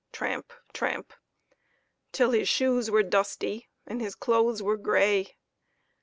tramp! tramp! till his shoes were dusty and his clothes were gray.